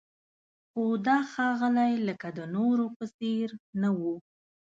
خو دا ښاغلی لکه د نورو په څېر نه و.